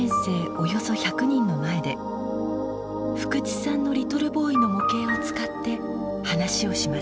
およそ１００人の前で福地さんのリトルボーイの模型を使って話をします。